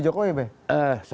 jokowi be sebelah ono